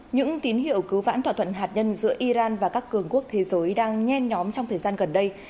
những tín hiệu cứu vãn thỏa thuận hạt nhân giữa iran và các cường quốc thế giới đang nhen nhóm trong thời gian gần đây